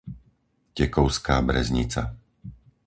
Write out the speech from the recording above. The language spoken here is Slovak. Tekovská Breznica